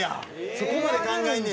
そこまで考えんねや。